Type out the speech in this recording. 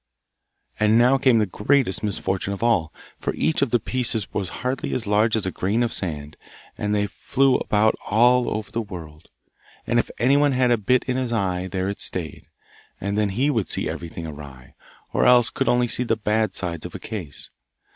And now came the greatest misfortune of all, for each of the pieces was hardly as large as a grain of sand and they flew about all over the world, and if anyone had a bit in his eye there it stayed, and then he would see everything awry, or else could only see the bad sides of a case.